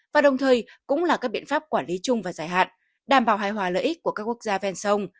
và đồng thời cũng là các biện pháp quản lý chung và dài hạn đảm bảo hài hòa lợi ích của các quốc gia ven sông